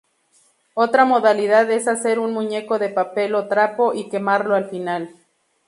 Otra modalidad es hacer un muñeco de papel o trapo y quemarlo al final.